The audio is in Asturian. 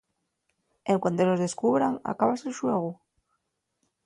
En cuantes los descubran acábase'l xuegu.